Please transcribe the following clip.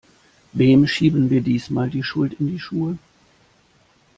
Wem schieben wir diesmal die Schuld in die Schuhe?